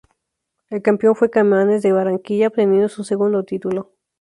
El campeón fue Caimanes de Barranquilla obteniendo su segundo titulo.